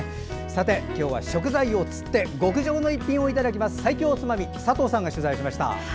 さて、今日は食材を釣って極上の一品をいただきます「最強おつまみ」佐藤さんが取材しました。